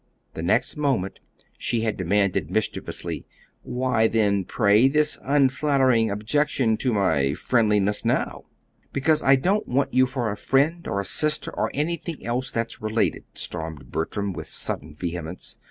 The next moment she had demanded mischievously: "Why, then, pray, this unflattering objection to my friendliness now?" "Because I don't want you for a friend, or a sister, or anything else that's related," stormed Bertram, with sudden vehemence.